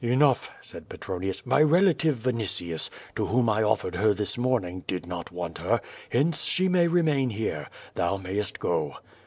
"Enough," said Petronius. "My relative Vinitius, to whom I offered her this morning, did not want her, hence she may remain here. Thou mayest go."